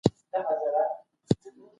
اګوست کُنت د ټولنپوهني پلار ته وایو.